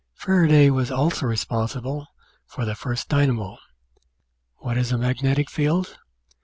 Faraday was also responsible for the first dynamo. What is a magnetic field?